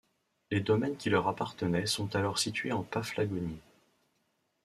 Les domaines qui leur appartenaient sont alors situés en Paphlagonie.